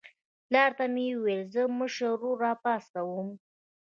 پلار ته مې وویل زه مشر ورور راپاڅوم.